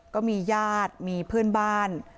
ก็มีญาติมีเพื่อนบ้าน